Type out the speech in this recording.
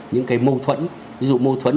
những cái mâu thuẫn ví dụ mâu thuẫn